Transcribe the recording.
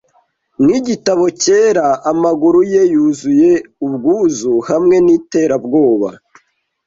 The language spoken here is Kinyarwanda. Nkigitabo cyera Amaguru ye yuzuye ubwuzu hamwe niterabwoba